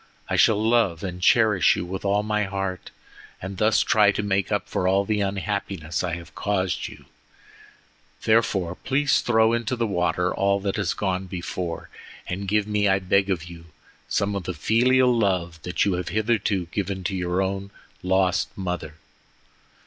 I shall love and cherish you with all my heart, and thus try to make up for all the unhappiness I have caused you. Therefore, please throw into the water all that has gone before, and give me, I beg of you, some of the filial love that you have hitherto given to your own lost mother."